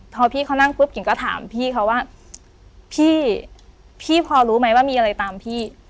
พอพี่เขานั่งปุ๊บกิ่งก็ถามพี่เขาว่าพี่พี่พอรู้ไหมว่ามีอะไรตามพี่